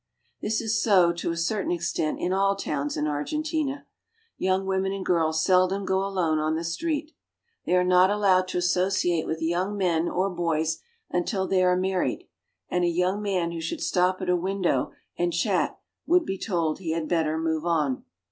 This is so to a certain extent in all towns in Argentina. Young women and girls seldom go alone on the street. They are not allowed to associate with young men or boys until they are married, and a young man who should stop at a window and chat would be told he had better move on.